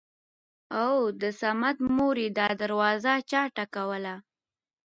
اوو د صمد مورې دا دروازه چا ټکوله!!